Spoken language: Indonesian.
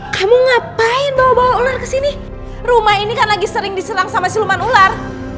kamu ngapain bawa bawa kesini rumah ini kan lagi sering diserang sama siluman ular